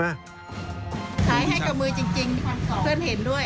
ขายให้กับมือจริงเพื่อนเห็นด้วย